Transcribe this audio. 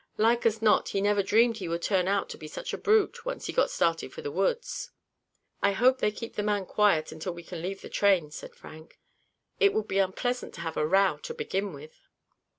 "Like as not he never dreamed he would turn out to be such a brute, once he got started for the woods." "I hope they keep the man quiet until we can leave the train," said Frank. "It would be unpleasant to have a row to begin with."